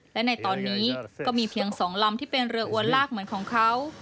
และในตอนนี้ก็มีเพียง๒ลำที่เป็นเรืออวนลากเหมือนของเขา